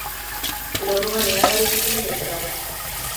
グラボが値上がりしすぎてつらい